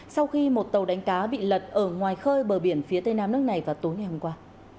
sau khi một tàu đánh cá bị lật ở ngoài khơi bờ biển phía tây nam nước này vào tối ngày hôm qua